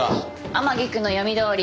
天樹くんの読みどおり